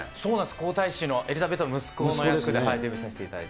皇太子の、エリザベートの息子の役で、デビューさせていただいて。